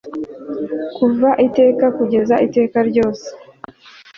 kuva iteka kuzageza iteka ryose